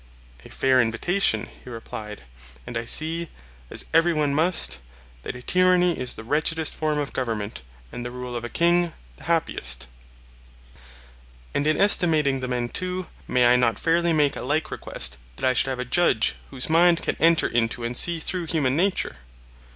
A fair invitation, he replied; and I see, as every one must, that a tyranny is the wretchedest form of government, and the rule of a king the happiest. And in estimating the men too, may I not fairly make a like request, that I should have a judge whose mind can enter into and see through human nature?